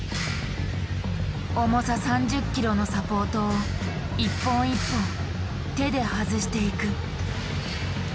重さ３０ｋｇのサポートを一本一本手で外していく。